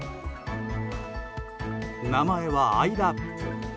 名前は、アイラップ。